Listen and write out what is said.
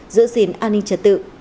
giữ gìn an ninh trật tự